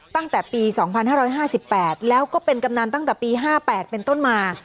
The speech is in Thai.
ตั้งแต่ปี๒๕๕๘แล้วก็เป็นกำนันตั้งแต่ปี๕๘เป็นต้นมา